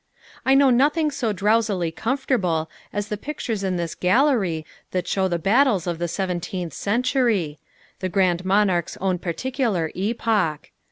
I know nothing so drowsily comfortable as the pictures in this gallery that show the battles of the seventeenth century, the Grand Monarch's own particular epoch.